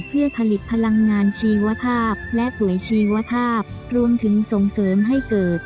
เพื่อผลิตพลังงานชีวภาพและป่วยชีวภาพรวมถึงส่งเสริมให้เกิด